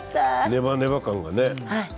ネバネバ感がね。